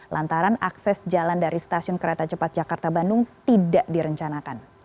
lantaran akses jalan dari stasiun kereta cepat jakarta bandung tidak direncanakan